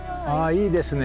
いいですね